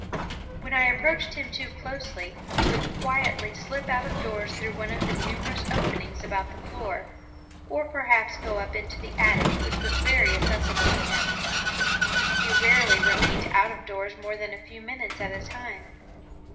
When I approached him too closely he would quietly slip out of doors through one of the numerous openings about the floor, or perhaps go up into the attic which was very accessible to him. He rarely remained out of doors more than a few minutes at a time.